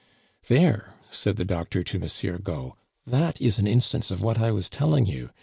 "There," said the doctor to Monsieur Gault, "that is an instance of what I was telling you.